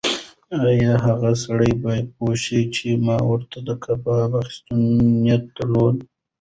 ایا هغه سړی به پوه شي چې ما ورته د کباب اخیستو نیت درلود؟